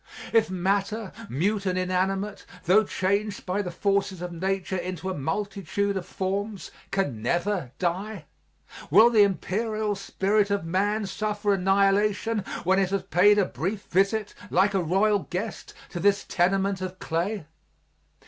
If matter, mute and inanimate, tho changed by the forces of nature into a multitude of forms, can never die, will the imperial spirit of man suffer annihilation when it has paid a brief visit like a royal guest to this tenement of clay?